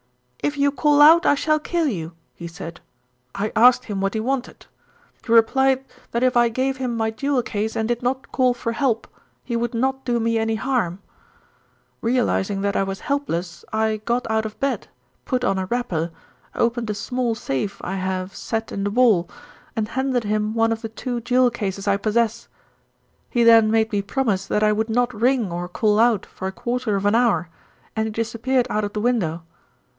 'If you call out I shall kill you,' he said. I asked him what he wanted. He replied that if I gave him my jewel case and did not call for help, he would not do me any harm. "Realising that I was helpless, I got out of bed, put on a wrapper, opened a small safe I have set in the wall, and handed him one of the two jewel cases I possess. "He then made me promise that I would not ring or call out for a quarter of an hour, and he disappeared out of the window.